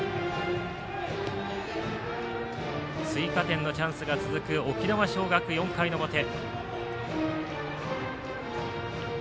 追加点のチャンスが続く沖縄尚学４回の表。